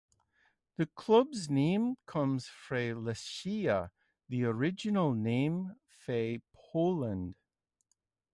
The club's name comes from Lechia, the original name for Poland.